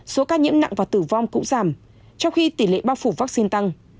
số ca nhiễm nặng và tử vong cũng giảm trong khi tỷ lệ bao phủ vaccine tăng